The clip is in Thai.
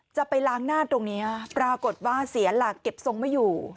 จะไปล้างหน้าตรงนี้ปรากฏว่าเสียหลักเก็บทรงไม่อยู่